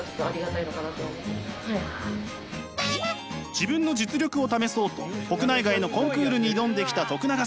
自分の実力を試そうと国内外のコンクールに挑んできた永さんあっぱれです！